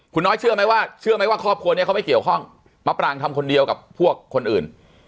คุณน้อยเชื่อไหมว่าเชื่อไหมว่าครอบครัวนี้เขาไม่เกี่ยวข้องมะปรางทำคนเดียวกับพวกคนอื่น